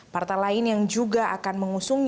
partai lain yang juga akan mengusungnya